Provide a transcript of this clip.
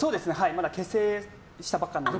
まだ結成したばっかりなので。